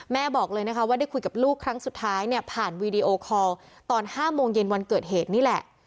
บอกเลยนะคะว่าได้คุยกับลูกครั้งสุดท้ายเนี่ยผ่านวีดีโอคอลตอน๕โมงเย็นวันเกิดเหตุนี่แหละ